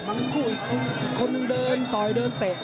ทั้งคู่อีกคู่คนหนึ่งเดินต่อยเดินเตะ